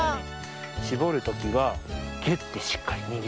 しぼるときはぎゅってしっかりにぎります。